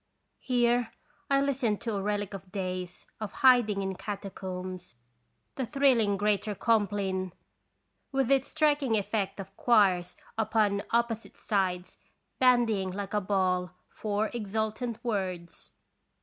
Here I listened to a relic of days of hiding in catacombs, the thrilling Greater Compline, with its striking effect of choirs upon opposite sides bandying like a ball four exultant words.